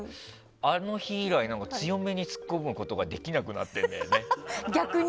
あの日以来強めにツッコむことができなくなってんだよね。